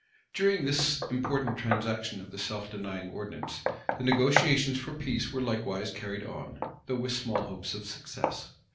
During this important transaction of the self denying ordinance, the negotiations for peace were likewise carried on, though with small hopes of success.